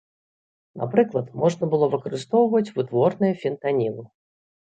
Напрыклад, можна было выкарыстоўваць вытворныя фентанілу.